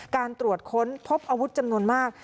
การตรวจค้นพบอาวุธจำนวนมาก